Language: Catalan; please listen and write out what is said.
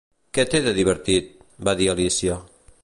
"Què té de divertit?" va dir Alícia.